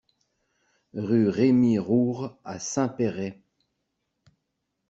Rue Rémy Roure à Saint-Péray